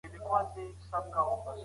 په دې کتاب کي د پښتنو فولکلوري کیسې دي.